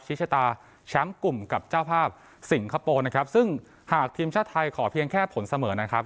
ชตาแชมป์กลุ่มกับเจ้าภาพสิงคโปร์นะครับซึ่งหากทีมชาติไทยขอเพียงแค่ผลเสมอนะครับ